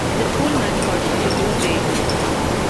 The school mascot is the blue jay.